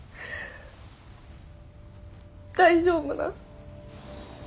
大丈夫なん？